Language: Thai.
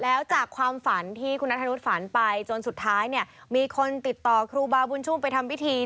แล้วจากความฝันที่คุณนัทธนุษย์ฝันไปจนสุดท้ายเนี่ยมีคนติดต่อครูบาบุญชุ่มไปทำพิธี